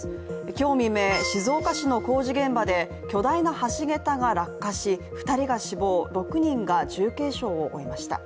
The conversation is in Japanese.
今日未明、静岡市の工事現場で巨大な橋桁が落下し２人が死亡、６人が重軽傷を負いました。